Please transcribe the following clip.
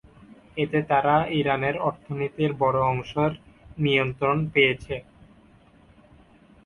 এতে তারা ইরানের অর্থনীতির বড় অংশের নিয়ন্ত্রণ পেয়েছে।